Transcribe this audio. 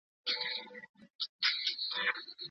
تاسو بايد د خپلي ټولني رښتينی انځور په کتابونو کي ومومئ.